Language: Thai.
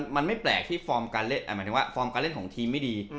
มันไม่แปลกที่ฟอร์มการเล่นของทีมไม่ดี